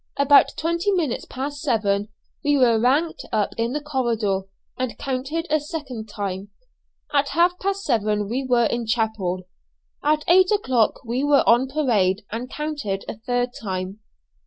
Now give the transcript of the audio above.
About twenty minutes past seven we were ranked up in the corridor, and counted a second time. At half past seven we were in chapel. At eight o'clock we were on parade and counted a third time.